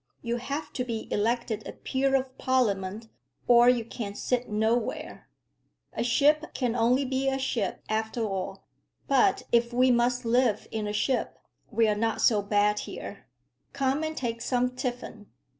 You have to be elected a Peer of Parliament, or you can sit nowhere. A ship can only be a ship, after all; but if we must live in a ship, we are not so bad here. Come and take some tiffin."